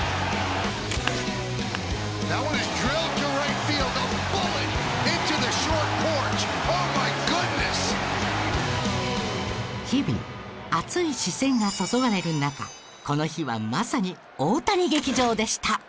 日々熱い視線が注がれる中この日はまさに大谷劇場でした。